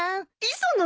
・磯野！